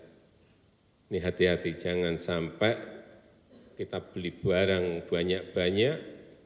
ini hati hati jangan sampai kita beli barang banyak banyak